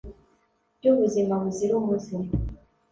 Ryu buzima buzira umuze.